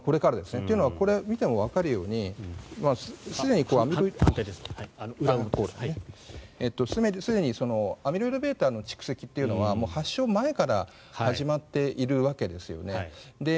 というのはこれを見てもわかるようにすでにアミロイドβの蓄積というのはもう発症前から始まっているわけですよね。